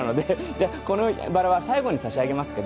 じゃあこのバラは最後にさしあげますけど。